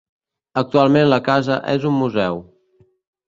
Actualment la casa és un museu.